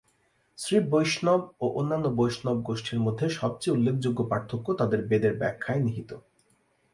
শ্রী বৈষ্ণব ও অন্যান্য বৈষ্ণব গোষ্ঠীর মধ্যে সবচেয়ে উল্লেখযোগ্য পার্থক্য তাদের বেদের ব্যাখ্যায় নিহিত।